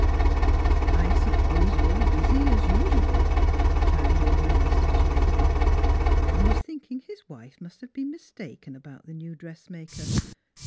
" I suppose you're busy, as usual," chimed in NEIGHBORS 119 the minister cheerfully. He was thinking his wife must have been mistaken about the new dress maker.